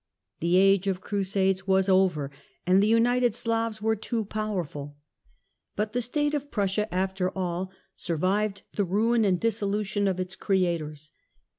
The age of crusades was over, and the united Slavs were too powerful. But the state of Prussia, after all, survived the ruin and dissolution of its creators.